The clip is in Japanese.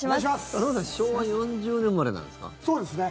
勝俣さん昭和４０年生まれなんですか？